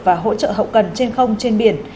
và hỗ trợ hậu cần trên không trên biển